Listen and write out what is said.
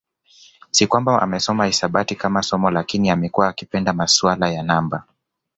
Si kwamba amesoma hisabati kama somo lakini amekuwa akipenda masuala ya namba